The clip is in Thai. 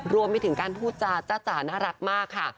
รวมไปถึงการพูดจาจ้าจ๋าน่ารักมากค่ะ